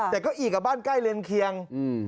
แต่ก็อีกอ่ะบ้านใกล้เรือนเคียง